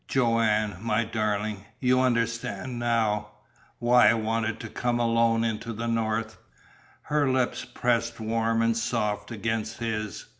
"Joanne, my darling, you understand now why I wanted to come alone into the North?" Her lips pressed warm and soft against his.